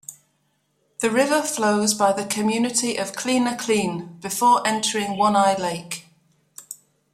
The river flows by the community of Kleena Kleene before entering One Eye Lake.